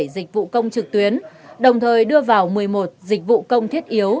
bảy dịch vụ công trực tuyến đồng thời đưa vào một mươi một dịch vụ công thiết yếu